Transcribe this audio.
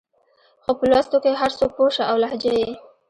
خو په لوستو کې هر څوک پوه شه او لهجه يې